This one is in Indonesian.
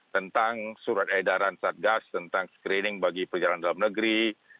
tentang surat edaran satgas tentang screening bagi perjalanan dalam negeri